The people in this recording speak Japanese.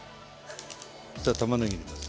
そしたらたまねぎ入れます。